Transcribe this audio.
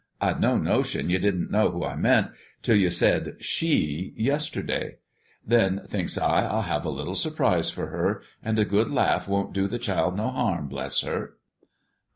I'd no notion ye didn't know who I meant, till you said 'she' yesterday. Then, thinks I, I'll have a little surprise for her, and a good laugh won't do the child no harm, bless her!"